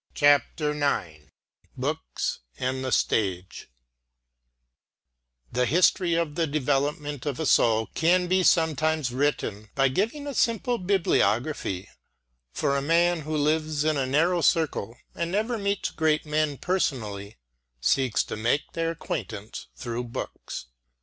CHAPTER IX BOOKS AND THE STAGE The history of the development of a soul can be sometimes written by giving a simple bibliography; for a man who lives in a narrow circle and never meets great men personally, seeks to make their acquaintance through books.